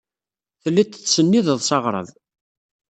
Telliḍ tettsennideḍ s aɣrab.